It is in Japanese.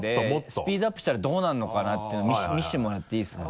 スピードアップしたらどうなるのかなっていうの見せてもらっていいですか？